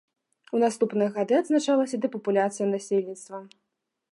У наступныя гады адзначалася дэпапуляцыя насельніцтва.